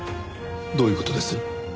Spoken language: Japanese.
どういう事です？